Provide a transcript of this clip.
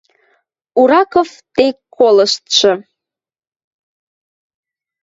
Ураков тек колыштшы!